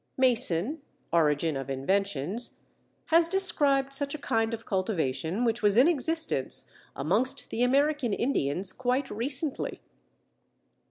Mason (Origin of Inventions, page 192) has described such a kind of cultivation which was in existence amongst the American Indians quite recently.